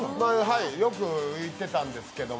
よく行ってたんですけど。